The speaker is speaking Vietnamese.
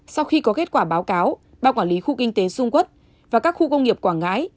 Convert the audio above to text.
sau khi có kết quả báo cáo bác quản lý khu kinh tế xuân quất và các khu công nghiệp quảng ngãi